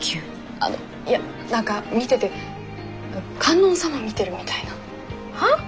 あのいや何か見てて観音様見てるみたいな。は？